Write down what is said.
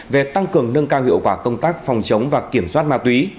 về tăng cường nâng cao hiệu quả công tác phòng chống và kiểm soát ma túy